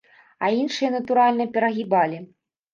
А іншыя, натуральна, перагібалі.